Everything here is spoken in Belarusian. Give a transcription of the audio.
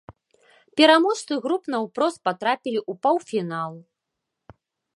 Пераможцы груп наўпрост патрапілі ў паўфінал.